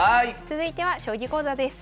続いては将棋講座です。